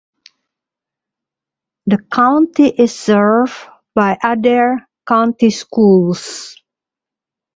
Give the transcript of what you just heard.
The county is served by Adair County Schools.